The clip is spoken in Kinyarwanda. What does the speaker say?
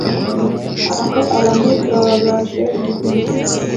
Aho abantu babajwe mumutima